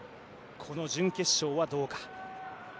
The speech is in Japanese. この準決勝はどうか。